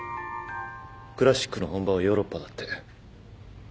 クラシックの本場はヨーロッパだって。